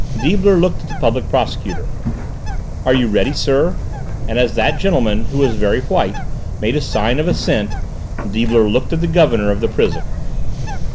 Deibler looked at the Public Prosecutor. "Are you ready, sir?" and as that gentleman, who was very white, made a sign of assent, Deibler looked at the Governor of the prison.